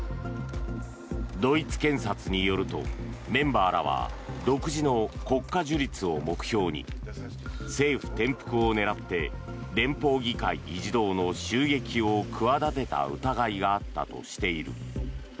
ドイツ検察によるとメンバーらは独自の国家樹立を目標に政府転覆を狙って連邦議会議事堂の襲撃を企てた疑いがあったとしている。